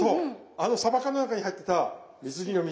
あのさば缶の中に入ってた水煮の水。